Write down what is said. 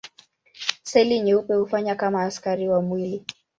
Seli nyeupe hufanya kama askari wa mwili.